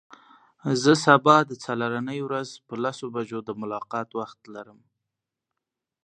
زه سبا د څلرنۍ ورځ په لسو بجو د ملاقات وخت لرم.